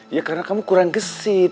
ya karena kamu kurang gesit